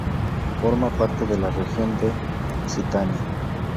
Forma parte de la región de Occitania.